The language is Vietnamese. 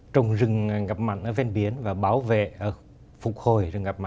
trồng rừng ngập mặn ven biển và bảo vệ phục hồi rừng ngập mặn